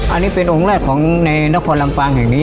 อันนี้เป็นองค์แรกของในนครลำปางแห่งนี้